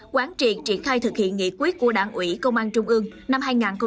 quán triệt triển khai thực hiện nghị quyết của đảng ủy công an trung ương năm hai nghìn hai mươi